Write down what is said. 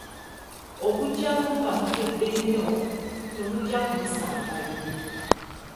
Okuggyako nga mukedde nnyo, temujja kumusangayo.